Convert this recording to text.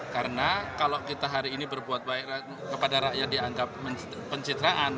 karena kalau kita hari ini berbuat baik kepada rakyat dianggap pencitraan